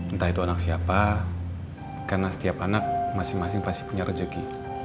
entah itu anak siapa karena setiap anak masing masing pasti punya rezeki